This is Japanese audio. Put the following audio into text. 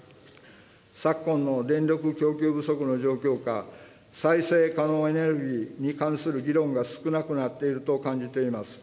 昨今の電力供給不足の状況下、再生可能エネルギーに関する議論が少なくなっていると感じています。